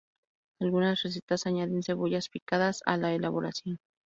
Algunas recetas añaden cebollas picadas a la elaboración.